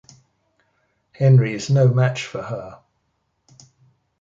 Henry is no match for her.